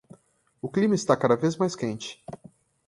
O clima está cada vez mais quente!